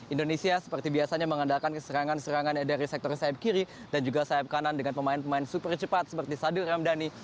indonesia seperti biasanya mengandalkan keserangan serangan dari sektor sayap kiri dan juga sayap kanan dengan pemain pemain super cepat seperti sadil ramdhani